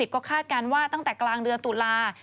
ก็คาดการณ์ว่าตั้งแต่กลางเดือนตุลา